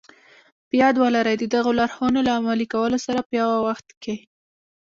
په ياد ولرئ د دغو لارښوونو له عملي کولو سره په يوه وخت کې.